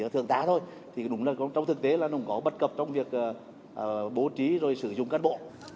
thường tá thôi thì đúng là trong thực tế là đồng có bất cập trong việc bố trí rồi sử dụng cán bộ